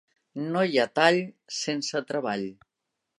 No hi ha tall sense treball.